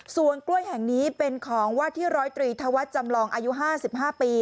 ส่วนกล้วยแห่งนี้เป็นของว่าที่ร้อยตรีธวัฒน์จำลองอายุ๕๕ปี